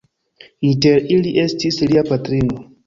Inter ili estis Lia patrino.